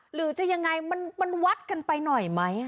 หรือจะยังไงมันวัดกันไปหน่อยไหม